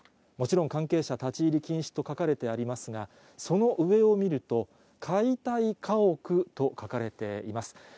もちろん関係者以外立ち入り禁止と書かれていますが、その上を見ると、解体家屋と書かれています。